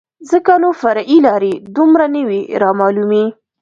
ځکه نو فرعي لارې دومره نه وې رامعلومې.